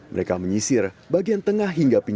mereka menyisir bagian tengah hingga pintu